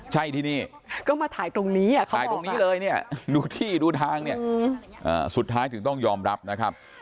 ใช่ที่นี่ก็มาถ่ายตรงนี้เขาถ่ายตรงนี้เลยเนี่ยดูที่ดูทางเนี่ยสุดท้ายถึงต้องยอมรับนะครับ